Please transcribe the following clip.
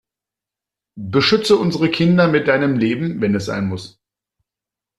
Beschütze unsere Kinder mit deinem Leben wenn es sein muss.